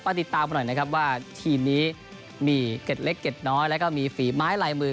ติดตามกันหน่อยนะครับว่าทีมนี้มีเกร็ดเล็กเด็ดน้อยแล้วก็มีฝีไม้ลายมือ